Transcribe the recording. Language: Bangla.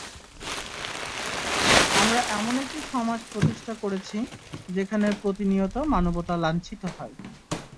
আমরা এমন একটি সমাজ প্রতিষ্ঠা করেছি, যেখানে প্রতিনিয়ত মানবতা লাঞ্ছিত হয়।